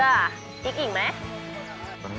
พริกอีกไหม